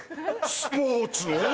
「スポーツ」を？